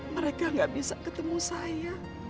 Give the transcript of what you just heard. mereka gak bisa ketemu saya